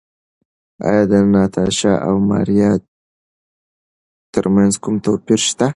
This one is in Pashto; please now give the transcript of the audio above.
ایا د ناتاشا او ماریا ترمنځ کوم توپیر شته؟